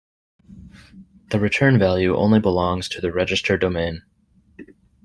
The return value only belongs to the register domain.